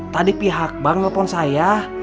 tadi pihak bank nelfon saya